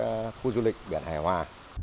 đối với khu du lịch biển hải hòa